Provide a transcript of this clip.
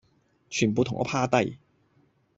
全部同我趴低